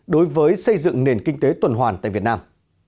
đối với xây dựng nền kinh tế tuần hoàn tại việt nam